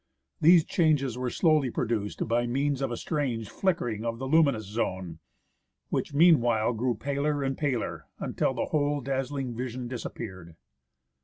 These changes were slowly produced by means of a strange flicker SITKA AND ITS HARBOUR. ing of the luminous zone, which meanwhile grew paler and paler, until the whole dazzling vision disappeared.